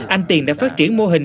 anh tiền đã phát triển mô hình